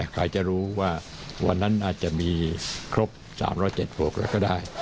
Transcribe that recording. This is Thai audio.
ใครจะรู้ว่าวันนั้นอาจจะมีครบ๓๐๗ขวบแล้วก็ได้